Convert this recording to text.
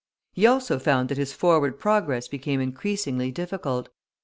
He also found that his forward progress became increasingly difficult.